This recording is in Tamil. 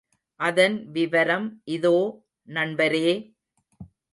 அதன் விவரம் இதோ நண்பரே!